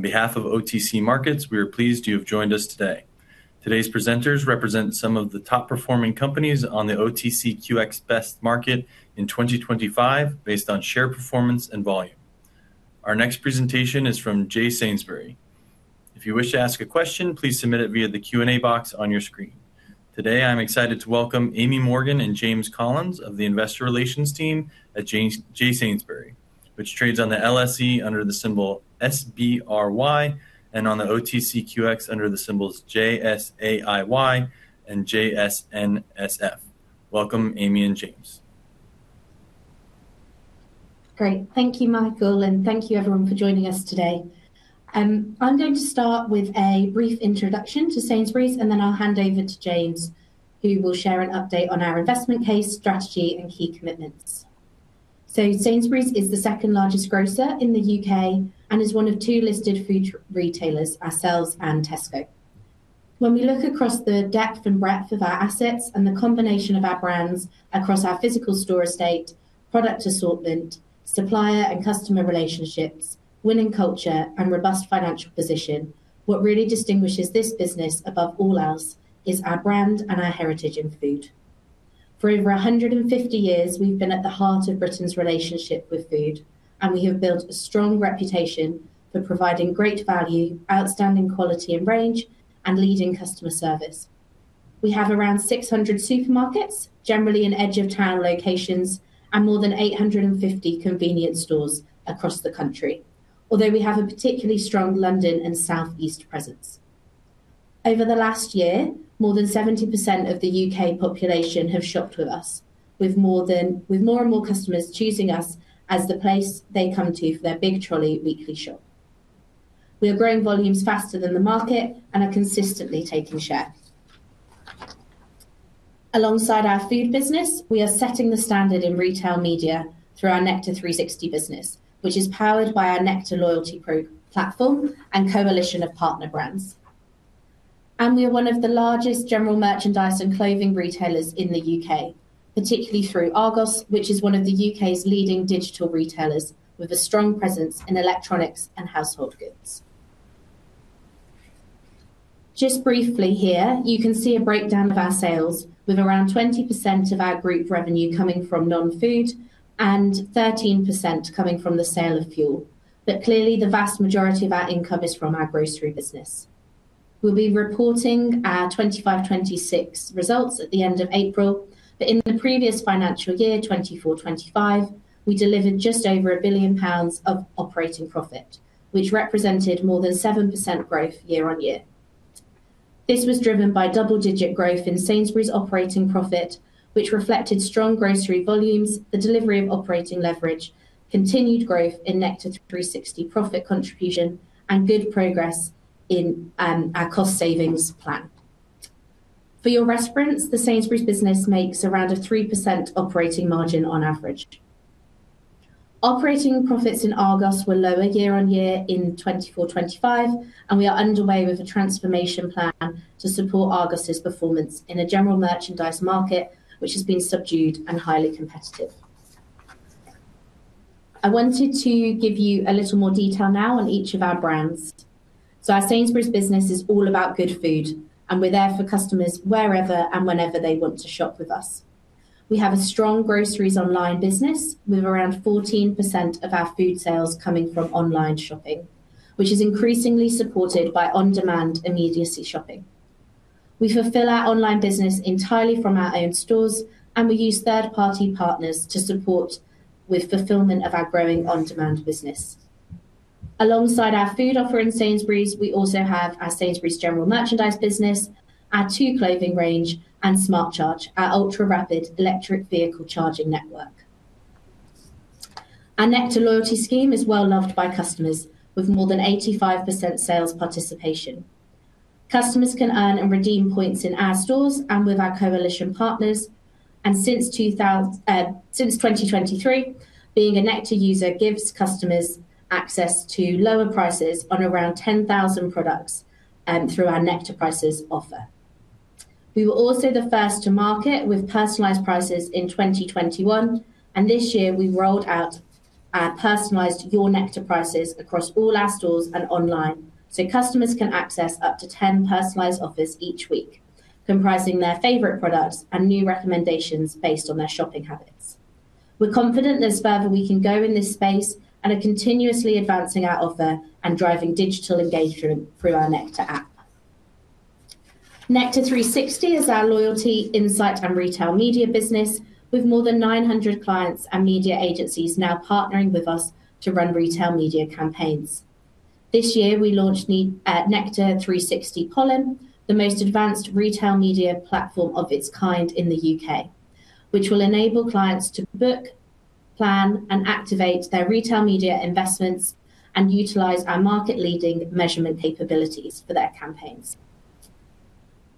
On behalf of OTC Markets, we are pleased you have joined us today. Today's presenters represent some of the top-performing companies on the OTCQX Best Market in 2025 based on share performance and volume. Our next presentation is from J Sainsbury. If you wish to ask a question, please submit it via the Q&A box on your screen. Today, I'm excited to welcome Amy Morgan and James Collins of the Investor Relations team at J Sainsbury, which trades on the LSE under the symbol SBRY and on the OTCQX under the symbols JSAIY and JSNSF. Welcome, Amy and James. Great. Thank you, Michael, and thank you everyone for joining us today. I'm going to start with a brief introduction to Sainsbury's, and then I'll hand over to James, who will share an update on our investment case, strategy, and key commitments. Sainsbury's is the second largest grocer in the U.K. and is one of two listed food retailers, ourselves and Tesco. When we look across the depth and breadth of our assets and the combination of our brands across our physical store estate, product assortment, supplier and customer relationships, winning culture, and robust financial position, what really distinguishes this business above all else is our brand and our heritage in food. For over 150 years, we've been at the heart of Britain's relationship with food, and we have built a strong reputation for providing great value, outstanding quality and range, and leading customer service. We have around 600 supermarkets, generally in edge of town locations and more than 850 convenience stores across the country. Although we have a particularly strong London and South East presence. Over the last year, more than 70% of the U.K. population have shopped with us, with more and more customers choosing us as the place they come to for their big trolley weekly shop. We are growing volumes faster than the market and are consistently taking share. Alongside our food business, we are setting the standard in retail media through our Nectar360 business, which is powered by our Nectar loyalty program platform and coalition of partner brands. We are one of the largest general merchandise and clothing retailers in the U.K., particularly through Argos, which is one of the U.K.'s leading digital retailers with a strong presence in electronics and household goods. Just briefly here, you can see a breakdown of our sales with around 20% of our group revenue coming from non-food and 13% coming from the sale of fuel. Clearly, the vast majority of our income is from our grocery business. We'll be reporting our 2025, 2026 results at the end of April, but in the previous financial year, 2024, 2025, we delivered just over 1 billion pounds of operating profit, which represented more than 7% growth year-on-year. This was driven by double-digit growth in Sainsbury's operating profit, which reflected strong grocery volumes, the delivery of operating leverage, continued growth in Nectar360 profit contribution, and good progress in our cost savings plan. For your reference, the Sainsbury's business makes around a 3% operating margin on average. Operating profits in Argos were lower year-on-year in 2024, 2025, and we are underway with a transformation plan to support Argos' performance in a general merchandise market, which has been subdued and highly competitive. I wanted to give you a little more detail now on each of our brands. Our Sainsbury's business is all about good food, and we're there for customers wherever and whenever they want to shop with us. We have a strong groceries online business, with around 14% of our food sales coming from online shopping, which is increasingly supported by on-demand immediacy shopping. We fulfill our online business entirely from our own stores, and we use third-party partners to support with fulfillment of our growing on-demand business. Alongside our food offer in Sainsbury's, we also have our Sainsbury's General Merchandise business, our Tu clothing range, and Smart Charge, our ultra-rapid electric vehicle charging network. Our Nectar loyalty scheme is well-loved by customers with more than 85% sales participation. Customers can earn and redeem points in our stores and with our coalition partners. Since 2023, being a Nectar user gives customers access to lower prices on around 10,000 products through our Nectar Prices offer. We were also the first to market with personalized prices in 2021, and this year we've rolled out our personalized Your Nectar Prices across all our stores and online so customers can access up to 10 personalized offers each week, comprising their favorite products and new recommendations based on their shopping habits. We're confident there's further we can go in this space and are continuously advancing our offer and driving digital engagement through our Nectar app. Nectar360 is our loyalty, insights and retail media business, with more than 900 clients and media agencies now partnering with us to run retail media campaigns. This year, we launched the Nectar360 Pollen, the most advanced retail media platform of its kind in the U.K., which will enable clients to book, plan, and activate their retail media investments and utilize our market-leading measurement capabilities for their campaigns.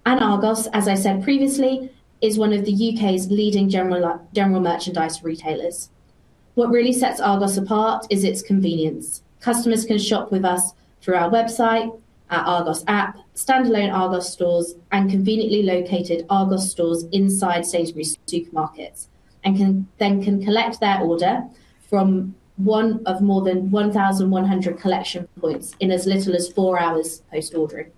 Argos, as I said previously, is one of the U.K.'s leading general merchandise retailers. What really sets Argos apart is its convenience. Customers can shop with us through our website, our Argos app, standalone Argos stores, and conveniently located Argos stores inside Sainsbury's supermarkets, and can collect their order from one of more than 1,100 collection points in as little as four hours post ordering.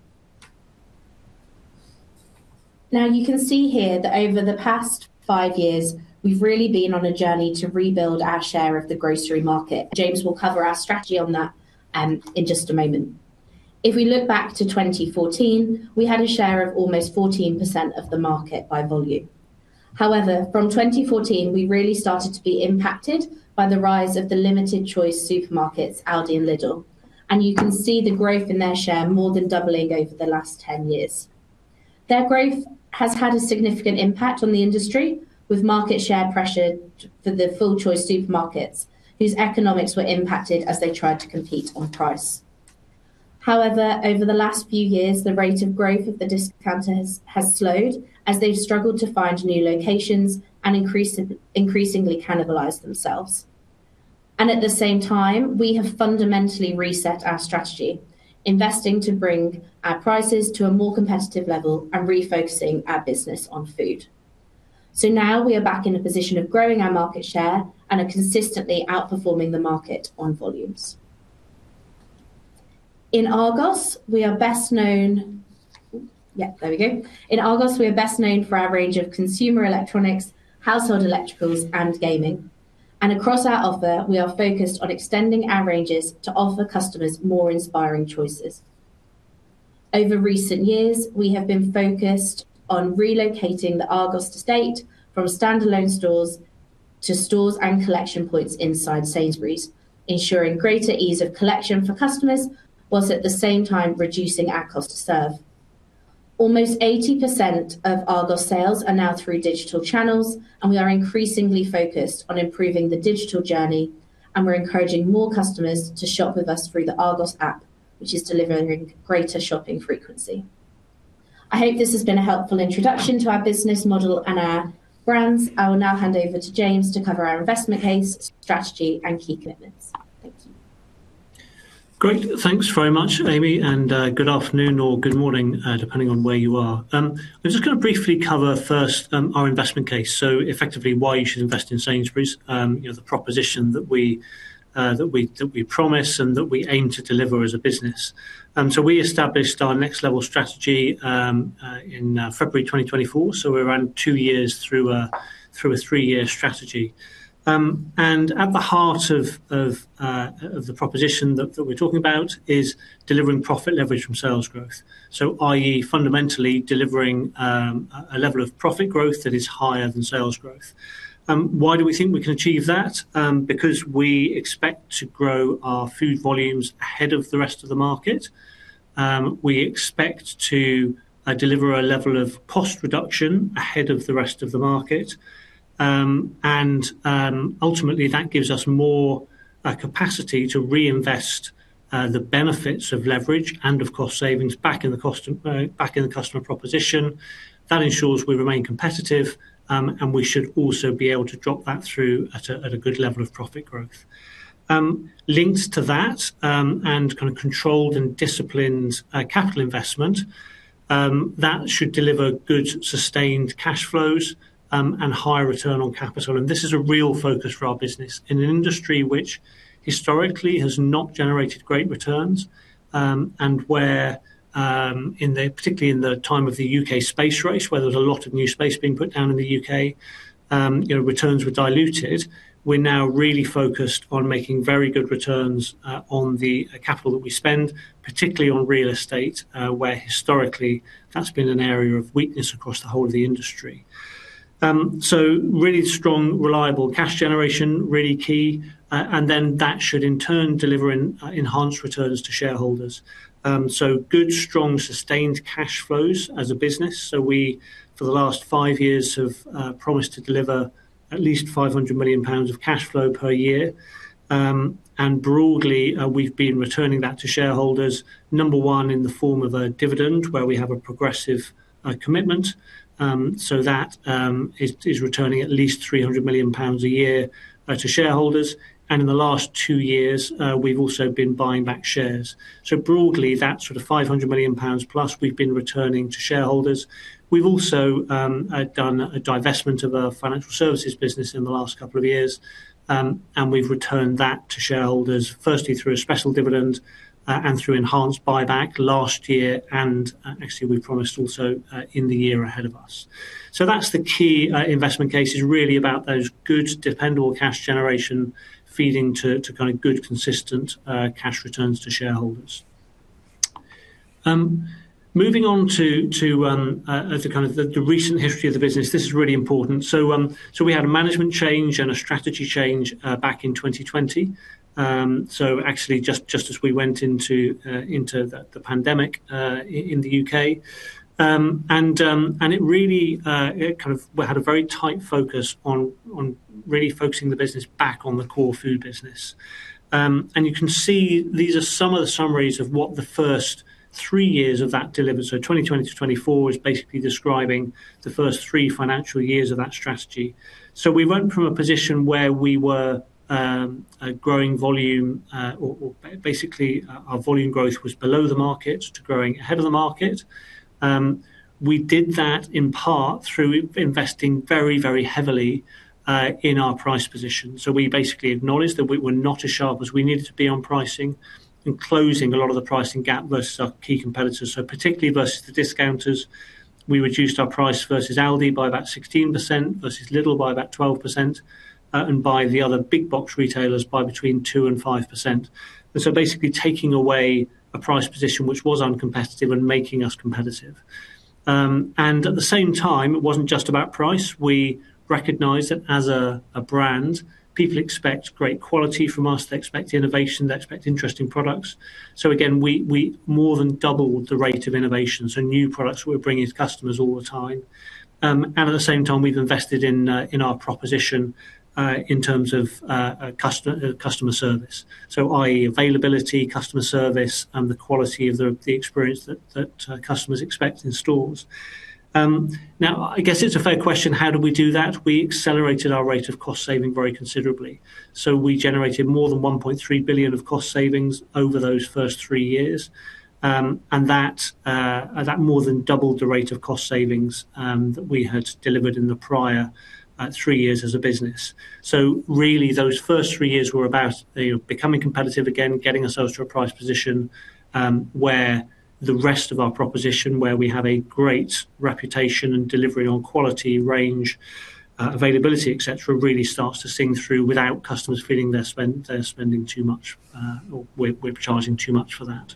Now you can see here that over the past five years, we've really been on a journey to rebuild our share of the grocery market. James will cover our strategy on that in just a moment. If we look back to 2014, we had a share of almost 14% of the market by volume. However, from 2014, we really started to be impacted by the rise of the limited choice supermarkets, Aldi and Lidl, and you can see the growth in their share more than doubling over the last 10 years. Their growth has had a significant impact on the industry, with market share pressure for the full choice supermarkets, whose economics were impacted as they tried to compete on price. However, over the last few years, the rate of growth of the discounters has slowed as they've struggled to find new locations and increasingly cannibalized themselves. At the same time, we have fundamentally reset our strategy, investing to bring our prices to a more competitive level and refocusing our business on food. Now we are back in a position of growing our market share and are consistently outperforming the market on volumes. In Argos, we are best known for our range of consumer electronics, household electricals, and gaming. Across our offer, we are focused on extending our ranges to offer customers more inspiring choices. Over recent years, we have been focused on relocating the Argos estate from standalone stores to stores and collection points inside Sainsbury's, ensuring greater ease of collection for customers while at the same time reducing our cost to serve. Almost 80% of Argos sales are now through digital channels, and we are increasingly focused on improving the digital journey, and we're encouraging more customers to shop with us through the Argos app, which is delivering greater shopping frequency. I hope this has been a helpful introduction to our business model and our brands. I will now hand over to James to cover our investment case, strategy, and key commitments. Thank you. Great. Thanks very much, Amy, and good afternoon or good morning, depending on where you are. I'm just gonna briefly cover first our investment case, so effectively why you should invest in Sainsbury's, you know, the proposition that we promise and that we aim to deliver as a business. We established our Next Level Sainsbury's in February 2024. We're around two years through a three-year strategy. At the heart of the proposition that we're talking about is delivering profit leverage from sales growth. I.e., fundamentally delivering a level of profit growth that is higher than sales growth. Why do we think we can achieve that? Because we expect to grow our food volumes ahead of the rest of the market, we expect to deliver a level of cost reduction ahead of the rest of the market, and ultimately that gives us more capacity to reinvest the benefits of leverage and of cost savings back in the customer proposition. That ensures we remain competitive, and we should also be able to drop that through at a good level of profit growth. Linked to that, and kind of controlled and disciplined capital investment, that should deliver good sustained cash flows, and higher return on capital. This is a real focus for our business in an industry which historically has not generated great returns, and where, in the, particularly in the time of the U.K. space race, where there was a lot of new space being put down in the U.K., you know, returns were diluted. We're now really focused on making very good returns, on the capital that we spend, particularly on real estate, where historically that's been an area of weakness across the whole of the industry. Really strong, reliable cash generation, really key. That should in turn deliver enhanced returns to shareholders. Good, strong, sustained cash flows as a business. We, for the last five years, have, promised to deliver at least 500 million pounds of cash flow per year. Broadly, we've been returning that to shareholders, number one, in the form of a dividend where we have a progressive commitment. That is returning at least 300 million pounds a year to shareholders. In the last two years, we've also been buying back shares. Broadly, that sort of 500 million pounds plus we've been returning to shareholders. We've also done a divestment of our financial services business in the last couple of years, and we've returned that to shareholders, firstly through a special dividend, and through enhanced buyback last year, and actually we promised also in the year ahead of us. That's the key investment case, is really about those good, dependable cash generation feeding to kind of good, consistent cash returns to shareholders. Moving on to the kind of recent history of the business, this is really important. We had a management change and a strategy change back in 2020. Actually just as we went into the pandemic in the U.K. We had a very tight focus on really focusing the business back on the core food business. You can see these are some of the summaries of what the first three years of that delivery. 2020-2024 is basically describing the first three financial years of that strategy. We went from a position where we were a growing volume or basically our volume growth was below the market to growing ahead of the market. We did that in part through investing very, very heavily in our price position. We basically acknowledged that we were not as sharp as we needed to be on pricing and closing a lot of the pricing gap versus our key competitors. Particularly versus the discounters, we reduced our price versus Aldi by about 16%, versus Lidl by about 12%, and by the other big box retailers by between 2% and 5%. Basically taking away a price position which was uncompetitive and making us competitive. At the same time, it wasn't just about price. We recognized that as a brand, people expect great quality from us. They expect innovation. They expect interesting products. Again, we more than doubled the rate of innovation, so new products we're bringing to customers all the time. At the same time, we've invested in our proposition, in terms of customer service, i.e. availability, customer service, and the quality of the experience that customers expect in stores. Now I guess it's a fair question, how do we do that? We accelerated our rate of cost saving very considerably. We generated more than 1.3 billion of cost savings over those first three years. That more than doubled the rate of cost savings that we had delivered in the prior three years as a business. Really those first three years were about, you know, becoming competitive again, getting ourselves to a price position, where the rest of our proposition, where we have a great reputation and delivery on quality, range, availability, et cetera, really starts to sing through without customers feeling they're spending too much, or we're charging too much for that.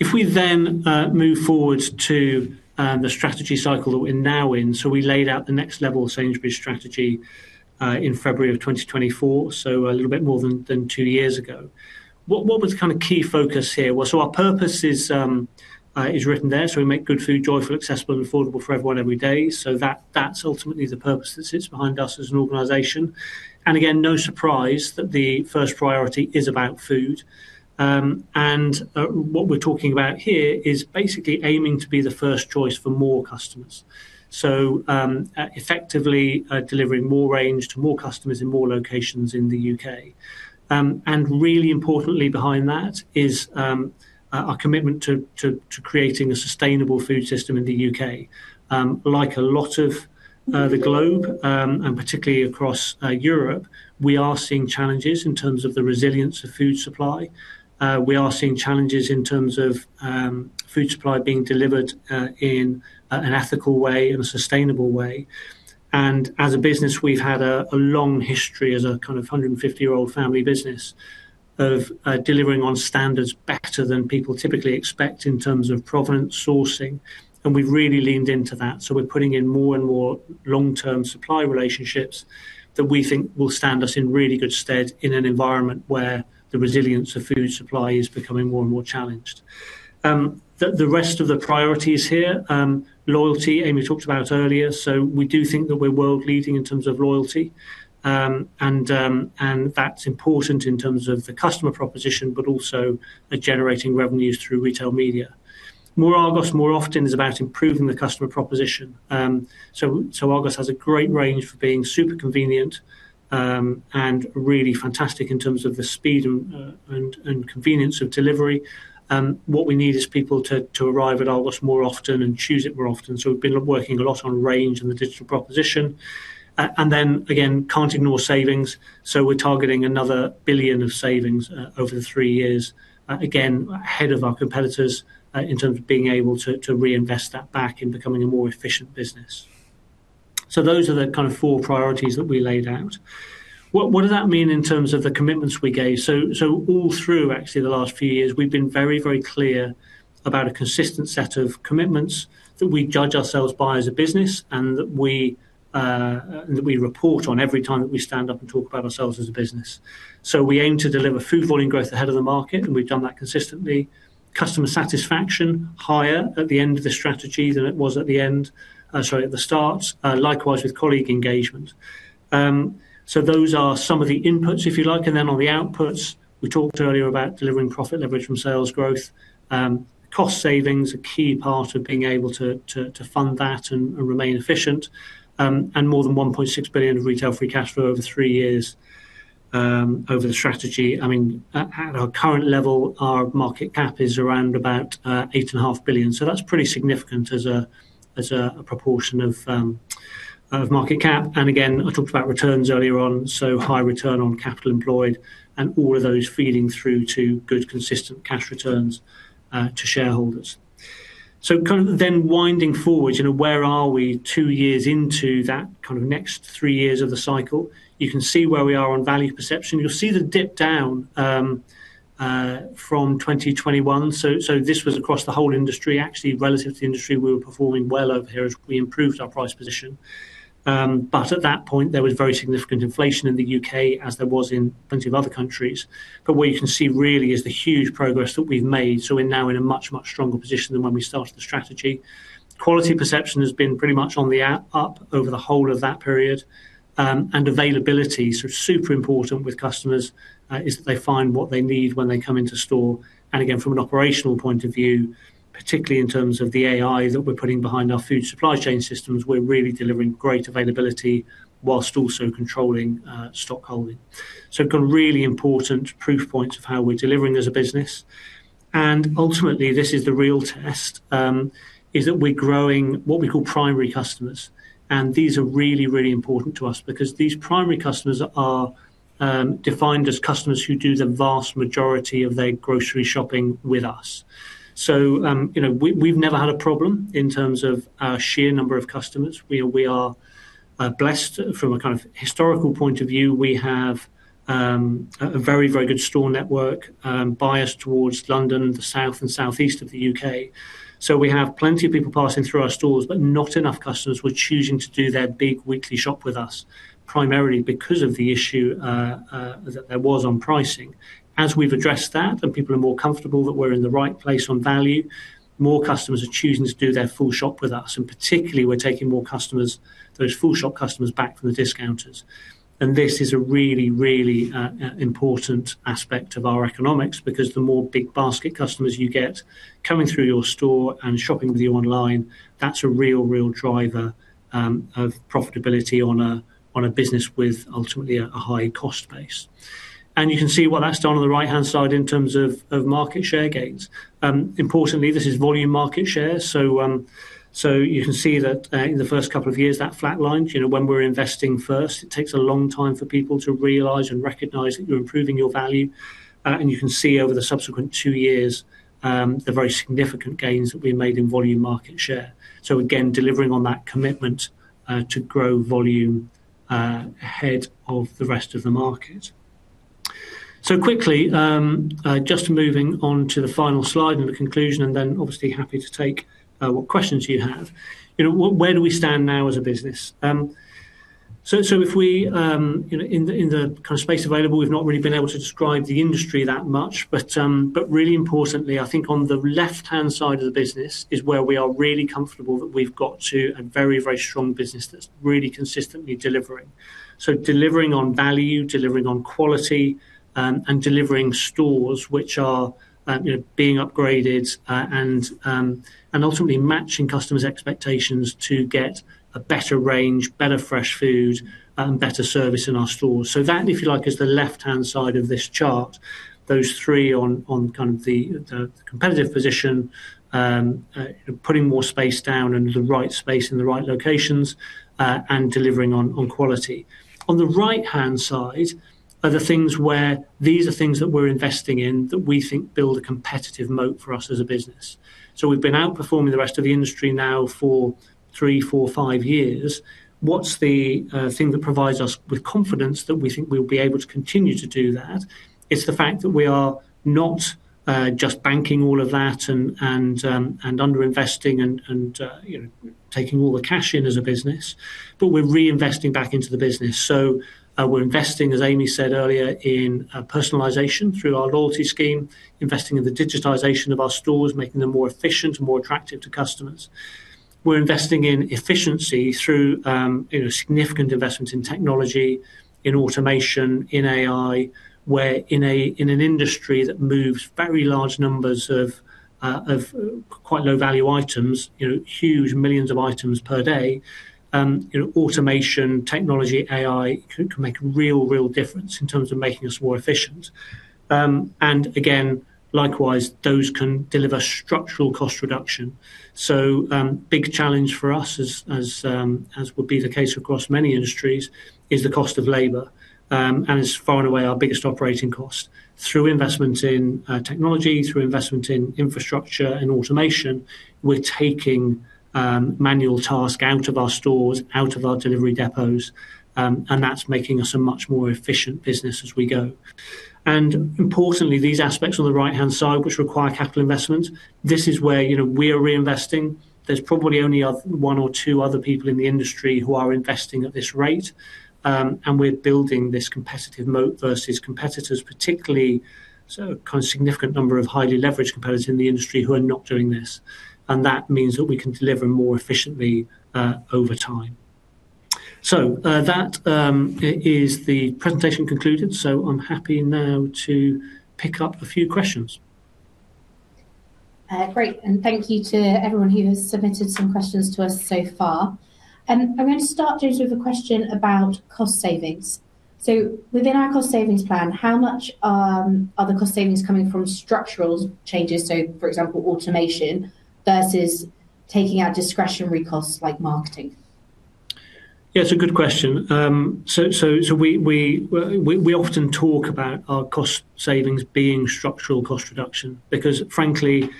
If we then move forward to the strategy cycle that we're now in, so we laid out the next level of Sainsbury's strategy in February 2024, so a little bit more than two years ago. What was kind of key focus here? Well, our purpose is written there, so we make good food joyful, accessible, and affordable for everyone every day. That's ultimately the purpose that sits behind us as an organization. Again, no surprise that the first priority is about food. What we're talking about here is basically aiming to be the first choice for more customers. Effectively, delivering more range to more customers in more locations in the U.K. Really importantly behind that is our commitment to creating a sustainable food system in the UK. Like a lot of the globe and particularly across Europe, we are seeing challenges in terms of the resilience of food supply. We are seeing challenges in terms of food supply being delivered in an ethical way, in a sustainable way. As a business, we've had a long history as a kind of 150-year-old family business of delivering on standards better than people typically expect in terms of provenance sourcing. We've really leaned into that. We're putting in more and more long-term supply relationships that we think will stand us in really good stead in an environment where the resilience of food supply is becoming more and more challenged. The rest of the priorities here, loyalty, Amy talked about earlier, we do think that we're world leading in terms of loyalty. That's important in terms of the customer proposition, but also generating revenues through retail media. More Argos, More Often is about improving the customer proposition. Argos has a great range for being super convenient, and really fantastic in terms of the speed and convenience of delivery. What we need is people to arrive at Argos more often and choose it more often. We've been working a lot on range and the digital proposition. Then again, can't ignore savings. We're targeting another 1 billion of savings over the three years, again, ahead of our competitors, in terms of being able to reinvest that back in becoming a more efficient business. Those are the kind of four priorities that we laid out. What does that mean in terms of the commitments we gave? All through actually the last few years, we've been very clear about a consistent set of commitments that we judge ourselves by as a business and that we report on every time that we stand up and talk about ourselves as a business. We aim to deliver food volume growth ahead of the market, and we've done that consistently. Customer satisfaction, higher at the end of the strategy than it was at the start. Likewise with colleague engagement. Those are some of the inputs, if you like. Then on the outputs, we talked earlier about delivering profit leverage from sales growth. Cost savings, a key part of being able to fund that and remain efficient. More than 1.6 billion of retail free cash flow over three years, over the strategy. I mean, at our current level, our market cap is around about 8.5 billion. That's pretty significant as a proportion of market cap. Again, I talked about returns earlier on, so high return on capital employed and all of those feeding through to good, consistent cash returns to shareholders. Kind of then winding forward, you know, where are we two years into that kind of next three years of the cycle? You can see where we are on value perception. You'll see the dip down from 2021. This was across the whole industry. Actually, relative to industry, we were performing well over here as we improved our price position. At that point, there was very significant inflation in the U.K., as there was in plenty of other countries. Where you can see really is the huge progress that we've made. We're now in a much, much stronger position than when we started the strategy. Quality perception has been pretty much on the up over the whole of that period. Availability, sort of super important with customers, is that they find what they need when they come into store. Again, from an operational point of view, particularly in terms of the AI that we're putting behind our food supply chain systems, we're really delivering great availability while also controlling stock holding. Kind of really important proof points of how we're delivering as a business. Ultimately, this is the real test is that we're growing what we call primary customers. These are really, really important to us because these primary customers are defined as customers who do the vast majority of their grocery shopping with us. You know, we've never had a problem in terms of our sheer number of customers. We are blessed from a kind of historical point of view. We have a very, very good store network, biased towards London, the south and southeast of the U.K. We have plenty of people passing through our stores, but not enough customers were choosing to do their big weekly shop with us, primarily because of the issue that there was on pricing. As we've addressed that and people are more comfortable that we're in the right place on value, more customers are choosing to do their full shop with us, and particularly we're taking more customers, those full shop customers back from the discounters. This is a really important aspect of our economics because the more big basket customers you get coming through your store and shopping with you online, that's a real driver of profitability on a business with ultimately a high cost base. You can see what that's done on the right-hand side in terms of market share gains. Importantly, this is volume market share. You can see that in the first couple of years, that flatlined. You know, when we're investing first, it takes a long time for people to realize and recognize that you're improving your value. You can see over the subsequent two years, the very significant gains that we made in volume market share. Again, delivering on that commitment to grow volume ahead of the rest of the market. Quickly, just moving on to the final slide and the conclusion, and then obviously happy to take what questions you have. You know, where do we stand now as a business? If we, you know, in the kind of space available, we've not really been able to describe the industry that much, but really importantly, I think on the left-hand side of the business is where we are really comfortable that we've got to a very, very strong business that's really consistently delivering. Delivering on value, delivering on quality, and delivering stores which are, you know, being upgraded, and ultimately matching customers' expectations to get a better range, better fresh food, better service in our stores. That, if you like, is the left-hand side of this chart, those three on kind of the competitive position, putting more space down and the right space in the right locations, and delivering on quality. On the right-hand side are the things where these are things that we're investing in that we think build a competitive moat for us as a business. We've been outperforming the rest of the industry now for three, four, five years. What's the thing that provides us with confidence that we think we'll be able to continue to do that? It's the fact that we are not just banking all of that and under investing and you know, taking all the cash in as a business, but we're reinvesting back into the business. We're investing, as Amy said earlier, in personalization through our loyalty scheme, investing in the digitization of our stores, making them more efficient, more attractive to customers. We're investing in efficiency through you know, significant investments in technology, in automation, in AI, in an industry that moves very large numbers of quite low value items, you know, huge millions of items per day, you know, automation, technology, AI can make a real difference in terms of making us more efficient. Again, likewise, those can deliver structural cost reduction. Big challenge for us, as would be the case across many industries, is the cost of labor, and is far and away our biggest operating cost. Through investment in technology, through investment in infrastructure and automation, we're taking manual task out of our stores, out of our delivery depots, and that's making us a much more efficient business as we go. Importantly, these aspects on the right-hand side, which require capital investment, this is where, you know, we are reinvesting. There's probably only one or two other people in the industry who are investing at this rate. We're building this competitive moat versus competitors, particularly so kind of significant number of highly leveraged competitors in the industry who are not doing this. That means that we can deliver more efficiently, over time. That is the presentation concluded. I'm happy now to pick up a few questions. Great. Thank you to everyone who has submitted some questions to us so far. I'm gonna start, James, with a question about cost savings. Within our cost savings plan, how much are the cost savings coming from structural changes, so for example, automation, versus taking out discretionary costs like marketing? Yeah, it's a good question. We often talk about our cost savings being structural cost reduction because frankly,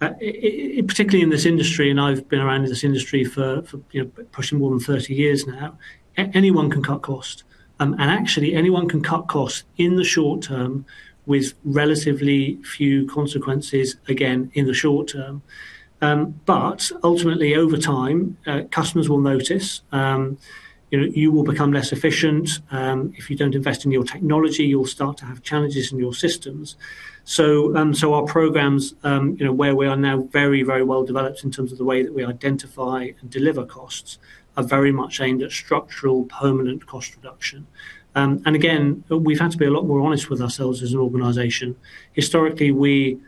particularly in this industry and I've been around in this industry for, you know, pushing more than 30 years now, anyone can cut costs. Actually anyone can cut costs in the short term with relatively few consequences, again, in the short term. Ultimately, over time, customers will notice, you know, you will become less efficient if you don't invest in your technology, you'll start to have challenges in your systems. Our programs, you know, where we are now very, very well developed in terms of the way that we identify and deliver costs are very much aimed at structural permanent cost reduction. Again, we've had to be a lot more honest with ourselves as an organization. Historically, we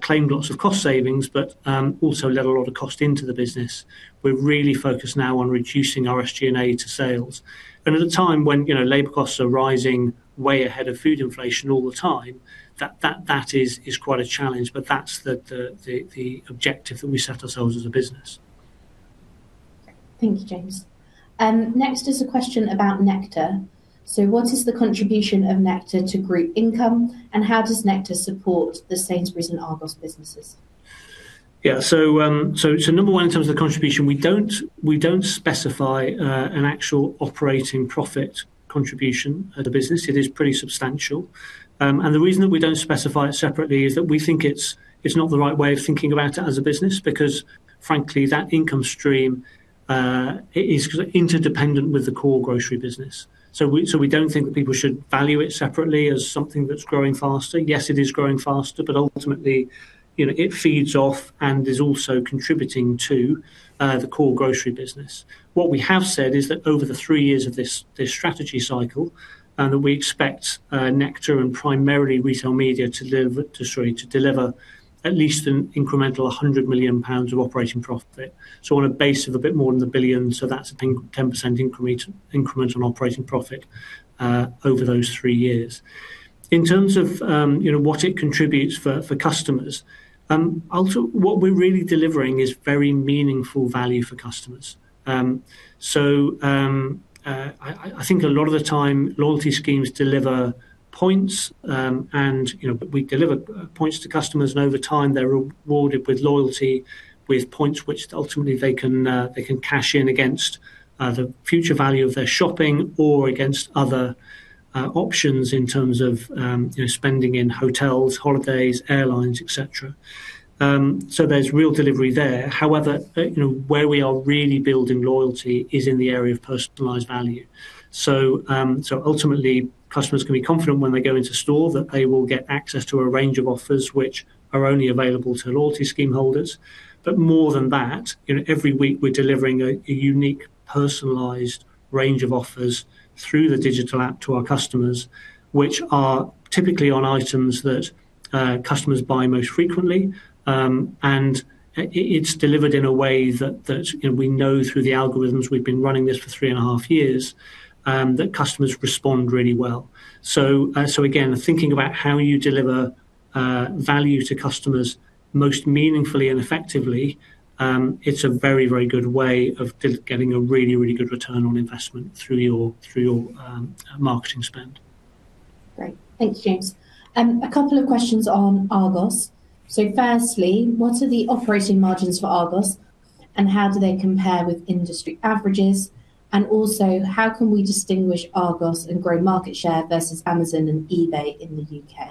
claimed lots of cost savings, but also added a lot of cost into the business. We're really focused now on reducing our SG&A to sales. At a time when, you know, labor costs are rising way ahead of food inflation all the time, that is quite a challenge, but that's the objective that we set ourselves as a business. Thank you, James. Next is a question about Nectar. What is the contribution of Nectar to group income, and how does Nectar support the Sainsbury's and Argos businesses? Yeah. Number one, in terms of contribution, we don't specify an actual operating profit contribution at a business. It is pretty substantial. The reason that we don't specify it separately is that we think it's not the right way of thinking about it as a business because frankly, that income stream is interdependent with the core grocery business. We don't think that people should value it separately as something that's growing faster. Yes, it is growing faster, but ultimately, you know, it feeds off and is also contributing to the core grocery business. What we have said is that over the three years of this strategy cycle, that we expect Nectar and primarily retail media to deliver at least an incremental 100 million pounds of operating profit. On a base of a bit more than 1 billion, that's a 10% increment, incremental operating profit over those three years. In terms of, you know, what it contributes for customers, also what we're really delivering is very meaningful value for customers. I think a lot of the time loyalty schemes deliver points, and, you know, we deliver points to customers, and over time, they're rewarded with loyalty, with points which ultimately they can cash in against the future value of their shopping or against other options in terms of, you know, spending in hotels, holidays, airlines, et cetera. There's real delivery there. However, you know, where we are really building loyalty is in the area of personalized value. Ultimately, customers can be confident when they go into store that they will get access to a range of offers which are only available to loyalty scheme holders. More than that, you know, every week we're delivering a unique, personalized range of offers through the digital app to our customers, which are typically on items that customers buy most frequently. It's delivered in a way that you know, we know through the algorithms we've been running this for three and a half years that customers respond really well. Again, thinking about how you deliver value to customers most meaningfully and effectively, it's a very good way of getting a really good return on investment through your marketing spend. Great. Thanks, James. A couple of questions on Argos. Firstly, what are the operating margins for Argos, and how do they compare with industry averages? Also, how can we distinguish Argos and grow market share versus Amazon and eBay in the U.K.?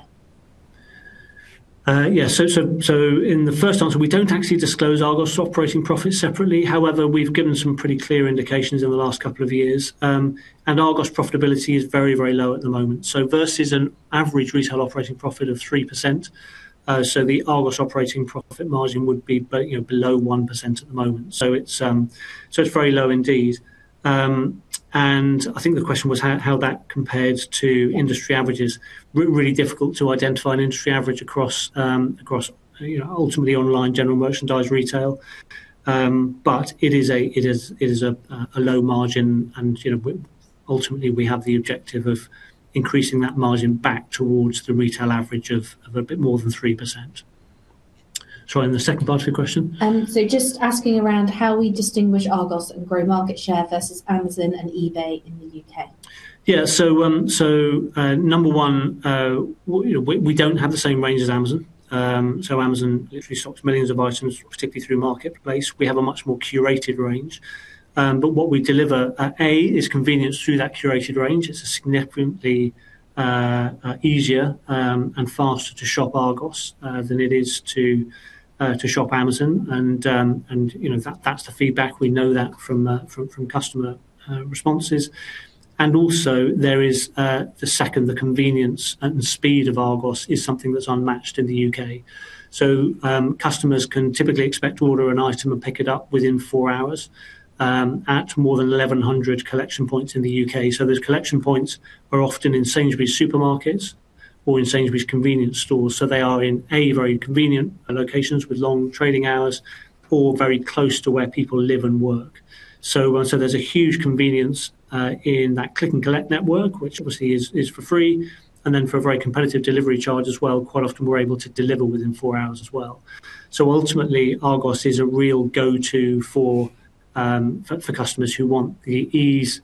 Yeah. In the first answer, we don't actually disclose Argos' operating profits separately. However, we've given some pretty clear indications in the last couple of years. Argos' profitability is very low at the moment. Versus an average retail operating profit of 3%, the Argos operating profit margin would be, you know, below 1% at the moment. It's very low indeed. I think the question was how that compares to industry averages. Really difficult to identify an industry average across, you know, ultimately online general merchandise retail. It is a low margin and, you know, we ultimately have the objective of increasing that margin back towards the retail average of a bit more than 3%. Sorry, and the second part of your question? Just asking around how we distinguish Argos and grow market share versus Amazon and eBay in the U.K.? Yeah. Number one, you know, we don't have the same range as Amazon. Amazon literally stocks millions of items, particularly through Marketplace. We have a much more curated range. But what we deliver, A, is convenience through that curated range. It's significantly easier and faster to shop Argos than it is to shop Amazon. You know, that's the feedback. We know that from customer responses. The convenience and speed of Argos is something that's unmatched in the U.K. Customers can typically expect to order an item and pick it up within four hours at more than 1,100 collection points in the U.K. Those collection points are often in Sainsbury's supermarkets or in Sainsbury's convenience stores. They are in a very convenient locations with long trading hours or very close to where people live and work. So there's a huge convenience in that click and collect network, which obviously is for free, and then for a very competitive delivery charge as well. Quite often we're able to deliver within four hours as well. Ultimately, Argos is a real go-to for customers who want the ease,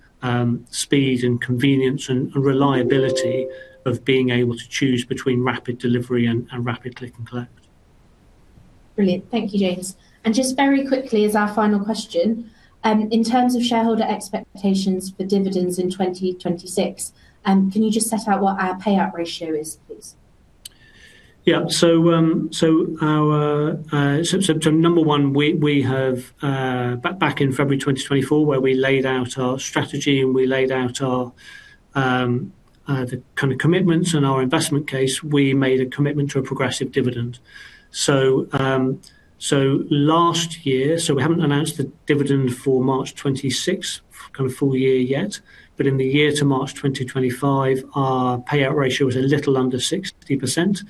speed and convenience and reliability of being able to choose between rapid delivery and rapid click and collect. Brilliant. Thank you, James. Just very quickly as our final question, in terms of shareholder expectations for dividends in 2026, can you just set out what our payout ratio is, please? Number one, we have back in February 2024, where we laid out our strategy and our kind of commitments and our investment case. We made a commitment to a progressive dividend. Last year, we haven't announced the dividend for March 2026 full year yet, but in the year to March 2025, our payout ratio was a little under 60%.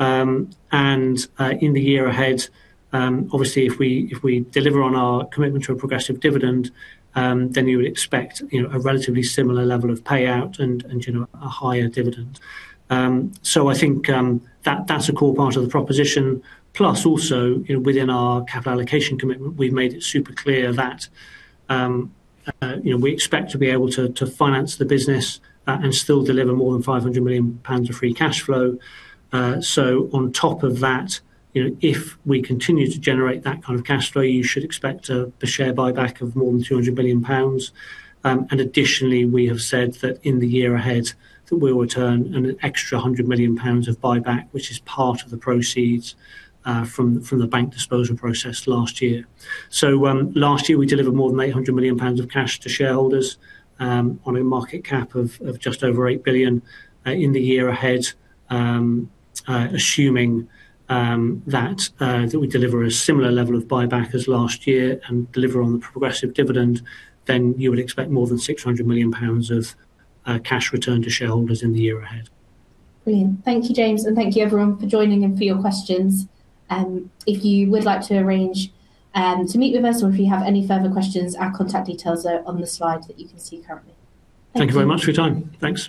In the year ahead, obviously, if we deliver on our commitment to a progressive dividend, then you would expect, you know, a relatively similar level of payout and, you know, a higher dividend. I think that's a core part of the proposition. Also, you know, within our capital allocation commitment, we've made it super clear that, you know, we expect to be able to finance the business and still deliver more than 500 million pounds of free cash flow. On top of that, you know, if we continue to generate that kind of cash flow, you should expect a share buyback of more than 200 million pounds. Additionally, we have said that in the year ahead, we'll return an extra hundred million pounds of buyback, which is part of the proceeds from the bank disposal process last year. Last year, we delivered more than 800 million pounds of cash to shareholders, on a market cap of just over 8 billion, in the year ahead. Assuming that we deliver a similar level of buyback as last year and deliver on the progressive dividend, then you would expect more than 600 million pounds of cash returned to shareholders in the year ahead. Brilliant. Thank you, James. Thank you everyone for joining and for your questions. If you would like to arrange to meet with us or if you have any further questions, our contact details are on the slide that you can see currently. Thank you. Thank you very much for your time. Thanks.